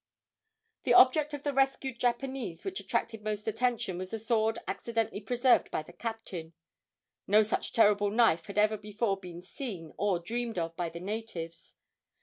The object of the rescued Japanese which attracted most attention was the sword accidentally preserved by the captain. No such terrible knife had ever before been seen or dreamed of by the natives.